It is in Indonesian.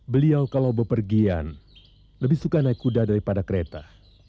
beliau kalau bepergian lebih suka naik kuda daripada kereta